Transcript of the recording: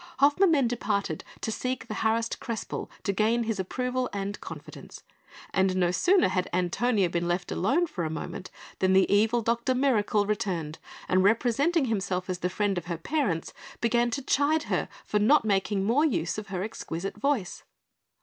Hoffmann then departed to seek the harassed Crespel to gain his approval and confidence; and no sooner had Antonia been left alone for a moment than the evil Dr Mirakel returned, and representing himself as the friend of her parents, began to chide her for not making more use of her exquisite voice.